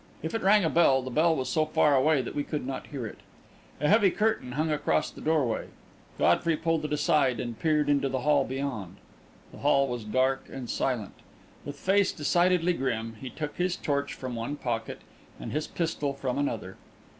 If it rang a bell, the bell was so far away that we could not hear it. A heavy curtain hung across the doorway. Godfrey pulled it aside and peered into the hall beyond. The hall was dark and silent. With face decidedly grim, he took his torch from one pocket and his pistol from another.